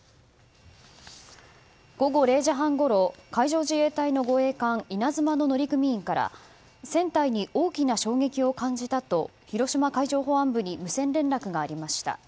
午後０時半ごろ海上自衛隊の護衛艦「いなづま」の乗組員から船体に大きな衝撃を感じたと広島海上保安部に無線連絡がありました。